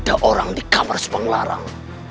ada orang di kamar semarang